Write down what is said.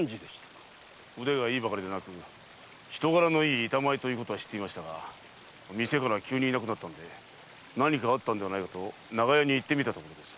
腕がいいばかりでなく人柄のいい板前とは知っていましたが店から急にいなくなったので何かあったんではないかと長屋に行ってみたところです。